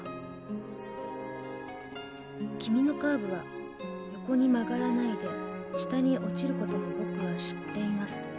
「君のカーブは横に曲がらないで下に落ちることも僕は知っています」